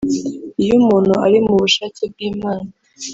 Iyo umuntu ari mu bushake bw’Imana